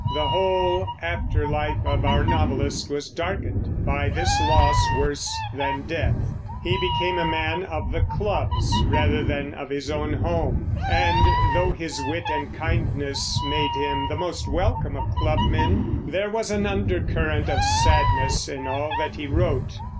The whole after life of our novelist was darkened by this loss worse than death. He became a man of the clubs, rather than of his own home, and though his wit and kindness made him the most welcome of clubmen, there was an undercurrent of sadness in all that he wrote.